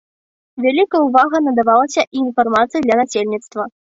Вялікая ўвага надавалася і інфармацыі для насельніцтва.